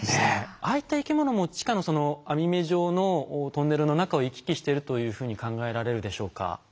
ああいった生き物も地下の網目状のトンネルの中を行き来してるというふうに考えられるでしょうか？